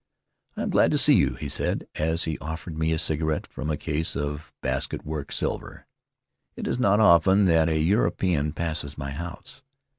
"I am glad to see you," he said, as he offered me a cigarette from a case of basketwork silver; "it is not often that a European passes my house."